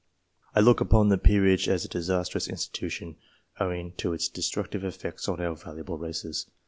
I look upon the peerage as a disastrous institution, owing to its destructive effects on our valuable races.